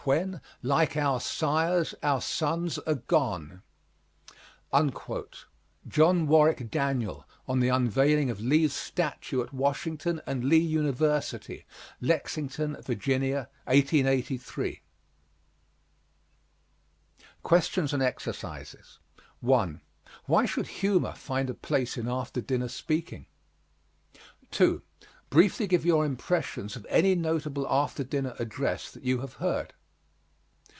When, like our sires, our sons are gone. JOHN WARWICK DANIEL, on the unveiling of Lee's statue at Washington and Lee University, Lexington, Virginia, 1883. QUESTIONS AND EXERCISES 1. Why should humor find a place in after dinner speaking? 2. Briefly give your impressions of any notable after dinner address that you have heard.